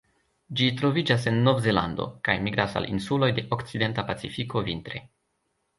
Ĝi troviĝas en Novzelando, kaj migras al insuloj de okcidenta Pacifiko vintre.